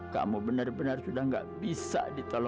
kalau bapak jadi se defenders saya akan kirim juga